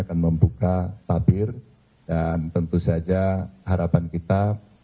akan membuka tabir dan tentu saja harapan kita